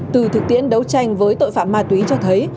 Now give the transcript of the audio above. từ thực tiễn đấu tranh với tội phạm ma túy cho thấy